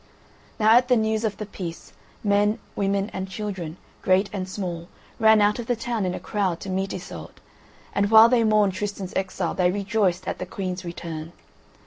Now at the news of the peace, men, women, and children, great and small, ran out of the town in a crowd to meet Iseult, and while they mourned Tristan's exile they rejoiced at the Queen's return.